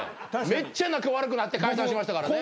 めっちゃ仲悪くなって解散しましたからね。